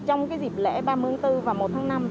trong cái dịp lễ ba mươi bốn và một tháng năm